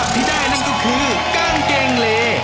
อุปสรรคที่ได้นั่นก็คือกางเกงเล